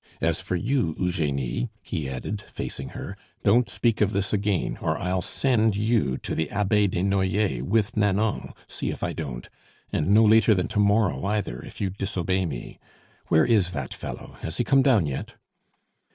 As for you, Eugenie," he added, facing her, "don't speak of this again, or I'll send you to the Abbaye des Noyers with Nanon, see if I don't; and no later than to morrow either, if you disobey me! Where is that fellow, has he come down yet?"